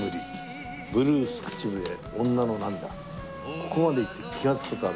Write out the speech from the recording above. ここまで言って気がつく事ある？